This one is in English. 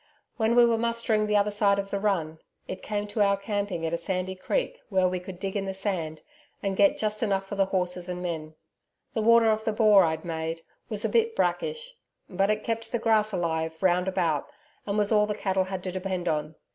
When we were mustering the other side of the run, it came to our camping at a sandy creek where we could dig in the sand and get just enough for horses and men. The water of the Bore I'd made, was a bit brackish, but it kept the grass alive round about and was all the cattle had to depend on.